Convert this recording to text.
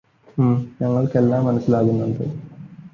ഉം. ഞങ്ങൾക്കെല്ലാം മനസ്സിലാകുന്നുണ്ട്.